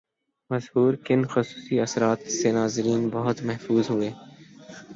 مسحور کن خصوصی اثرات سے ناظرین بہت محظوظ ہوئے